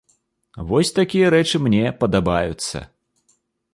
Вось такія рэчы мне падабаюцца.